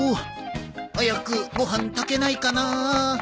早くご飯炊けないかなあ。